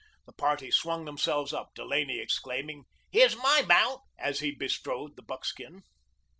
The party swung themselves up, Delaney exclaiming, "Here's MY mount," as he bestrode the buckskin.